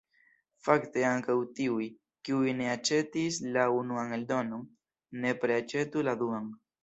Fakte ankaŭ tiuj, kiuj ne aĉetis la unuan eldonon, nepre aĉetu la duan.